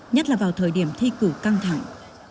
nhất là vào thời điểm thi cử căng thẳng